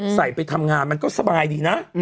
ไปทำงานมันก็สบายดีนะ